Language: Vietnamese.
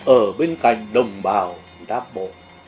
ở bên cạnh đồng bào đáp bộ